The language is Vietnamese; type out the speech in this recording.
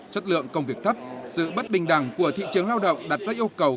chất lượng công việc thấp sự bất bình đẳng của thị trường lao động đặt ra yêu cầu